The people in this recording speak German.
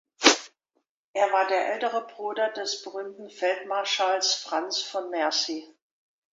Er war der ältere Bruder des berühmten Feldmarschalls Franz von Mercy.